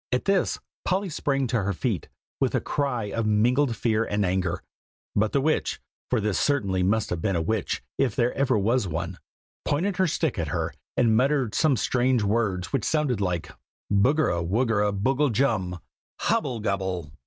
At this Polly sprang to her feet, with a cry of mingled fear and anger; but the witch (for this certainly must have been a witch, if ever there was one,) pointed her stick at her, and muttered some strange words which sounded like "Buggara wuggera boogle jum, Hobble gobble!"